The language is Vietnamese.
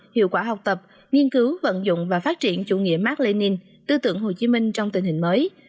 hiệu quả học tập nghiên cứu vận dụng và phát triển chủ nghĩa mark lenin tư tưởng hồ chí minh trong tình hình mới